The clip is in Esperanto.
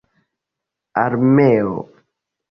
armeo